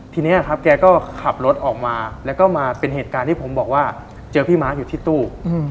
ทีนี้ครับแกก็ขับรถออกมาแล้วก็มาเป็นเหตุการณ์ที่ผมบอกว่าเจอพี่ม้าอยู่ที่ตู้